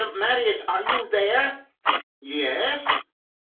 Marius, are you there?" "Yes."